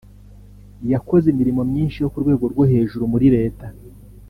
yakoze imirimo myinshi yo ku rwego rwo hejuru muri Leta